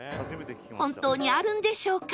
本当にあるんでしょうか？